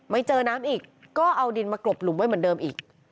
ไม่เจอน้ำอีกก็เอาดินมากรบหลุมไว้เหมือนเดิมอีก